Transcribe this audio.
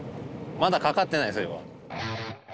まだかかってないそれは。